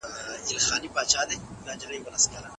سردار محمد داود خان د پښتونستان مسلې په اړه هم کلک دریځ درلود.